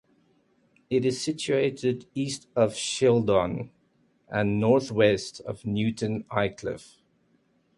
It is situated east of Shildon and north-west of Newton Aycliffe.